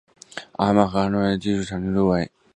阿吉曼和哈伊马角的麦加利地震烈度为。